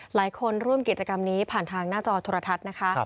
ร่วมกันร่วมกิจกรรมนี้ผ่านทางหน้าจอโทรทัศน์นะคะ